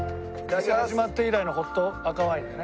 始まって以来のホット赤ワインだよね。